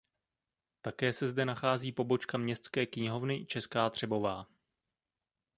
Také se zde nachází pobočka Městské knihovny Česká Třebová.